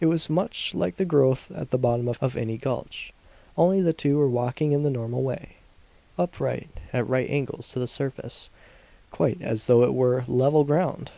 It was much like the growth at the bottom of any gulch; only the two were walking in the normal way, upright, at right angles to the surface, quite as though it were level ground!